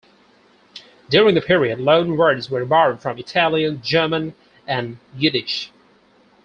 During the period, loan words were borrowed from Italian, German, and Yiddish.